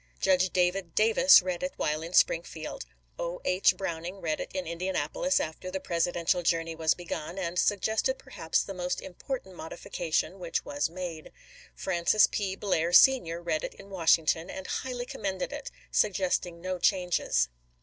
Judge David Davis read it while in Springfield. O. H. Browning read it in Indianapolis after the Presidential jour ney was begun, and suggested perhaps the most important modification which was made. Francis P. Blair, Sr., read it in Washington, and highly commended it, suggesting no changes.